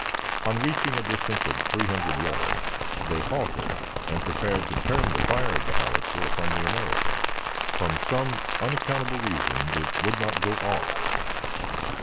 On reaching a distance of three hundred yards, they halted and prepared to turn the fire of the howitzer upon the Americans. From some unaccountable reason, it would not go off.